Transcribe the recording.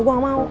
gue gak mau